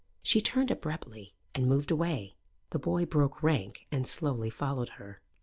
She turned abruptly and moved away. The boy broke rank and slowly followed her.